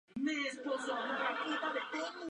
No podía creerlo.